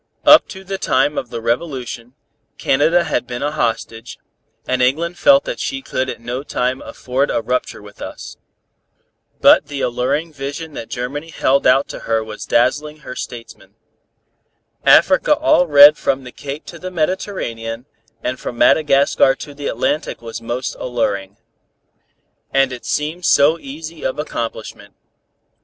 Up to the time of the revolution, Canada had been a hostage, and England felt that she could at no time afford a rupture with us. But the alluring vision that Germany held out to her was dazzling her statesmen. Africa all red from the Cape to the Mediterranean and from Madagascar to the Atlantic was most alluring. And it seemed so easy of accomplishment.